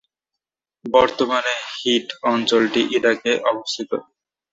বর্তমানে হিট অঞ্চলটি ইরাকে অবস্থিত।